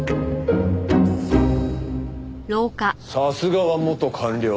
さすがは元官僚。